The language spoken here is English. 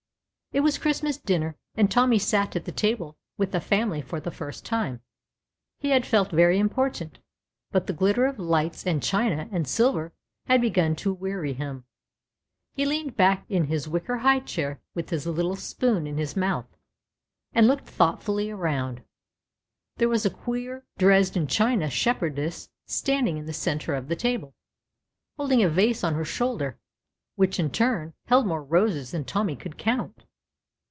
It was Christmas dinner, and Tommy sat at the table with the family for the first time. He had felt very important, but the glitter of lights and china and silver had begun to weary him. He leaned back in his wicker high chair, with his little spoon in his mouth, and looked thoughtfully around. There was a queer Dresden china shepherdess standing in the centre of the table, holding a vase on her shoulder, which in turn held more roses than Tommy could count.